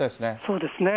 そうですね。